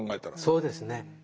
そうですね。